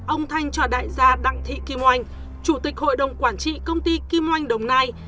ông thanh cho đại gia đặng thị kim oanh chủ tịch hội đồng quản trị công ty kim oanh đồng nai